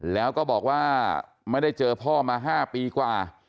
แล้วก็บอกว่าไม่ได้เจอพ่อมา๕ปีกว่า